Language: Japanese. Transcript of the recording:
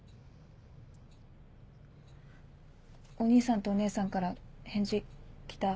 お兄さんとお姉さんから返事来た？